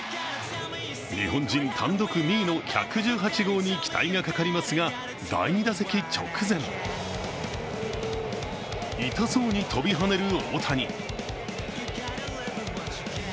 日本人単独２位に１１８号に期待がかかりますが第２打席直前痛そうに跳びはねる大谷。